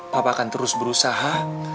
papa akan terus berusaha